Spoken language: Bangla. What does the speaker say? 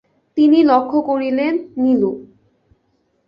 তিনি লক্ষ করলেন, নীলু।